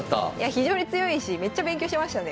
非常に強いしめっちゃ勉強しましたね。